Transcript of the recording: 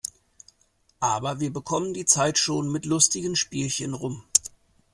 Aber wir bekommen die Zeit schon mit lustigen Spielchen rum.